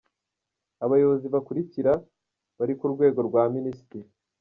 Abayobozi bakurikira bari ku rwego rwa Minisitiri :.